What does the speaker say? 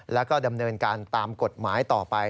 แล้วก็ดำเนินการตามกฎหมายต่อไป